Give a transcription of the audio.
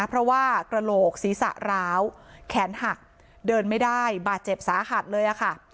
เพราะว่ากระโหลกศีรษะร้าวแขนหักเดินไม่ได้บาดเจ็บสาหัสเลยค่ะ